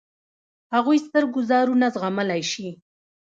هغوی ستر ګوزارونه زغملای شي.